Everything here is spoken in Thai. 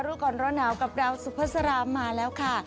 รูกอรร้อนาวกับดาวน์สุภสรมาแล้วค่ะ